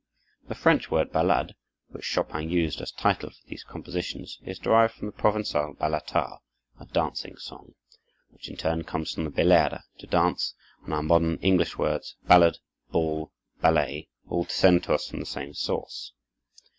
The French word ballade, which Chopin used as title for these compositions, is derived from the Provencal ballata, a dancing song, which in turn comes from bellare, to dance; and our modern English words ballad, ball, ballet, all descend to us from the same source.